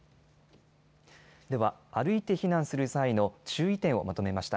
では、歩いて避難する際の注意点をまとめました。